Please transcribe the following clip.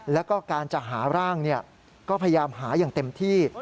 แล้วก็การจะหาร่างก็พยายามหาอย่างเต็มที่